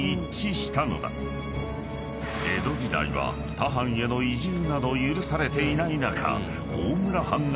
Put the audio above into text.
［江戸時代は他藩への移住など許されていない中］